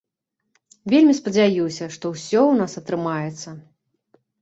Вельмі спадзяюся, што ўсё ў нас атрымаецца.